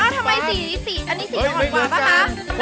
อ้าวทำไมสีอันนี้สีขอดบอลป่ะฮะ